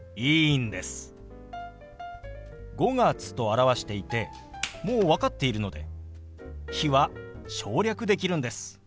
「５月」と表していてもう分かっているので「日」は省略できるんです。